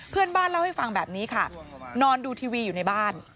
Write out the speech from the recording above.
เพื่อนบ้านเล่าให้ฟังแบบนี้ค่ะนอนดูทีวีอยู่ในบ้าน